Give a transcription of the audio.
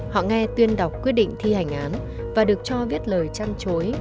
họ nghe tuyên đọc quyết định thi hành án và được cho viết lời chăn chối